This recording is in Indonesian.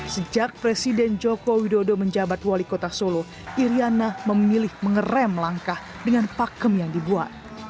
sejak presiden joko widodo menjabat wali kota solo iryana memilih mengerem langkah dengan pakem yang dibuat